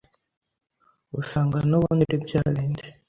usanga n’ubundi ari bya bindi